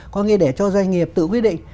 có nghĩa để cho doanh nghiệp tự quyết định